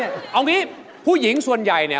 เอางี้ผู้หญิงส่วนใหญ่เนี่ย